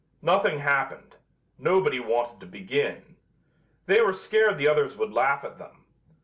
Nothing happened. Nobody wanted to begin. They were scared the others would laugh at them.